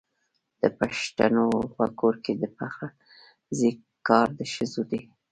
د پښتنو په کور کې د پخلنځي کار د ښځو دی.